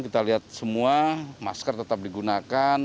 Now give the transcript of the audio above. kita lihat semua masker tetap digunakan